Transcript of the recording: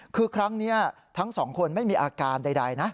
คือครั้งนี้ทั้งสองคนไม่มีอาการใดนะ